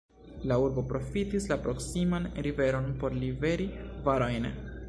La urbo profitis la proksiman riveron por liveri varojn.